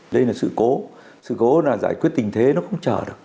đây là sự cố sự cố là giải quyết tình thế nó không chở được